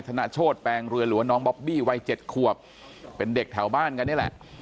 นโชธแปลงเรือหรือว่าน้องบอบบี้วัยเจ็ดขวบเป็นเด็กแถวบ้านกันนี่แหละ